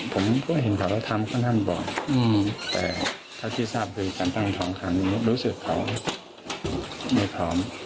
ผมก็เห็นเขาว่าทำขนาดนั้นบอกแต่เขาที่ทราบคือการตั้งท้องขังรู้สึกเขาไม่พร้อม